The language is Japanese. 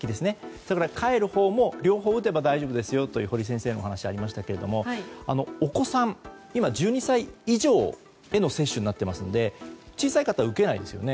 それから帰るほうも両方打てばいいんですよという堀先生のお話がありましたがお子さん、今１２歳以上への接種となっていますので小さい方は受けられないですね。